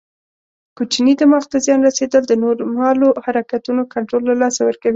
کوچني دماغ ته زیان رسېدل د نورمالو حرکتونو کنټرول له لاسه ورکوي.